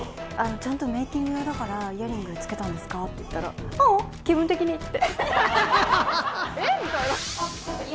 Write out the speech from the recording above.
ちゃんとメイキング用だからイヤリングつけたんですかって言ったら「ううん気分的に」って。